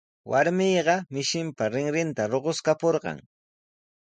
Warmiqa mishinpa rinrinta ruquskapurqan.